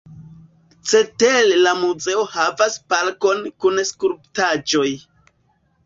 Cetere la muzeo havas parkon kun skulptaĵoj.